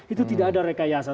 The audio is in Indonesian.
itu tidak ada rekayasa